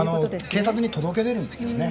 警察に届け出るんですよね。